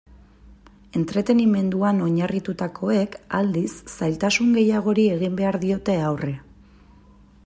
Entretenimenduan oinarritutakoek, aldiz, zailtasun gehiagori egin behar diote aurre.